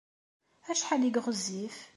Acḥal ay ɣezzif?